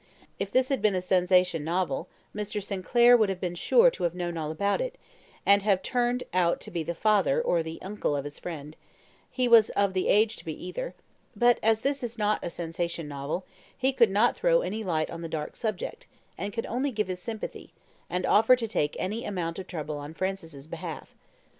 If this had been a sensation novel, Mr. Sinclair would have been sure to have known all about it, and have turned out to be the father or the uncle of his friend he was of the age to be either; but as this is not a sensation novel, he could not throw any light on the dark subject, and could only give his sympathy, and offer to take any amount of trouble on Francis's behalf.